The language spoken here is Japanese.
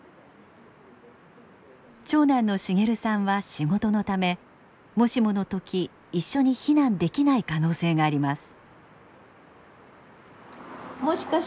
長男の茂さんは仕事のためもしもの時一緒に避難できない可能性があります。